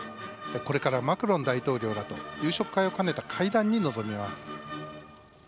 これからマクロン大統領らと夕食会を兼ねた会談に臨みます。